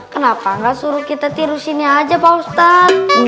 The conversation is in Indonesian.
kenapa gak suruh kita tidur sini aja pak ustadz